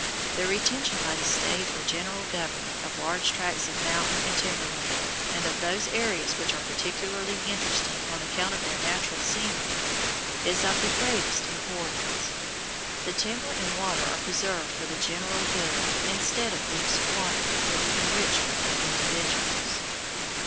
The retention by the state or general government of large tracts of mountain and timber land, and of those areas which are particularly interesting on account of their natural scenery, is of the greatest importance. The timber and water are preserved for the general good instead of being squandered for the enrichment of individuals.